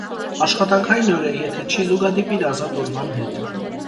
Աշխատանքային օր է, եթէ չի զուգադիպիր ազատ օրուան հետ։